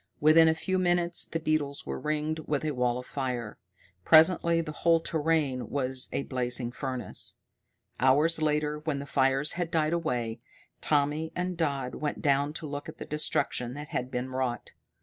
Within a few minutes the beetles were ringed with a wall of fire. Presently the whole terrain was a blazing furnace. Hours later, when the fires had died away, Tommy and Dodd went down to look at the destruction that had been wrought.